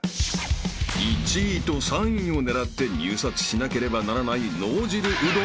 ［１位と３位を狙って入札しなければならない］